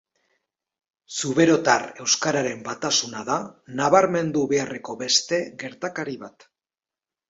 Zuberotar euskararen batasuna da nabarmendu beharreko beste gertakari bat.